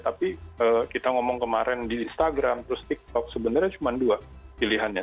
tapi kita ngomong kemarin di instagram terus tiktok sebenarnya cuma dua pilihannya